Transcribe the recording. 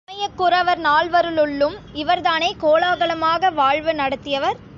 சமயக் குரவர் நால்வருள்ளும் இவர்தானே கோலாகலமாக வாழ்வு நடத்தியவர்.